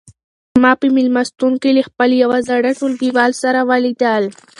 ما په مېلمستون کې له خپل یو زاړه ټولګیوال سره ولیدل.